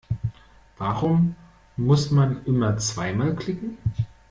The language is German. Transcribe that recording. Warum muss man immer zweimal klicken?